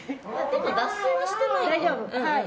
でも脱水はしてない。